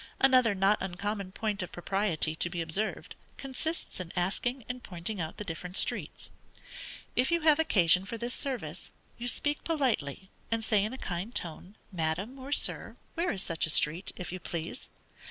Another not uncommon point of propriety to be observed, consists in asking and pointing out the different streets. If you have occasion for this service, you speak politely, and say in a kind tone, Madam, or _Sir, where is such a street, if you please?